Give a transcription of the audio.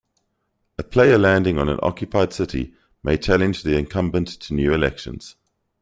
A player landing on an occupied city may challenge the incumbent to new elections.